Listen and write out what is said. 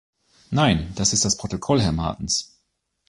Nein, das ist das Protokoll, Herr Martens.